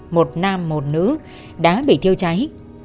một nam một nữ đã bị thiêu cháy